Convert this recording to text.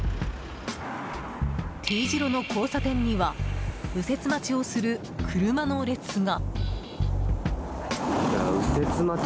Ｔ字路の交差点には右折待ちをする車の列が。